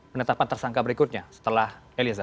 penetapan tersangka berikutnya setelah eliezer